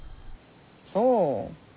そう。